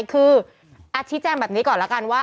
คืออาทิแจงแบบนี้ก่อนละกันว่า